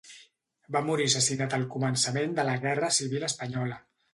Va morir assassinat al començament de la Guerra Civil espanyola.